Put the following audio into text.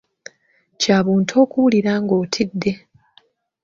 Kya buntu okuwulira ng’otidde.